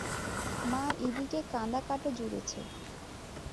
মা ইদিকে কাঁদাকাটা জুড়েছে।